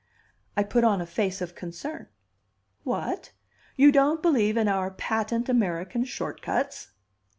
I put on a face of concern. "What? You don't believe in our patent American short cuts?"